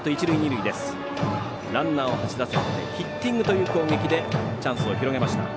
ランナーを走らせてヒッティングという攻撃でチャンスを広げました。